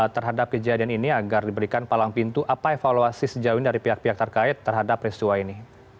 terhadap kejadian ini agar diberikan palang pintu apa evaluasi sejauh ini dari pihak pihak terkait terhadap peristiwa ini